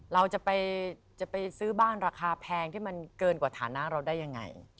เราจะไปซื้อบ้านราคาแพงที่มันเกินกว่าฐานะเราได้ยังไง